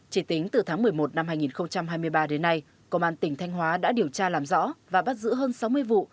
chỉ tính từ tháng một mươi một năm hai nghìn hai mươi ba đến nay công an tỉnh thanh hóa đã điều tra làm rõ và bắt giữ hơn sáu mươi vụ